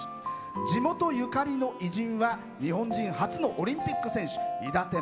地元ゆかりの偉人は日本人初のオリンピック選手「いだてん」